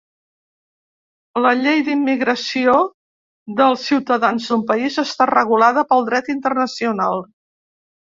La llei d'immigració dels ciutadans d'un país està regulada pel dret internacional.